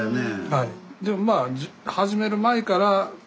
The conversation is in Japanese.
はい。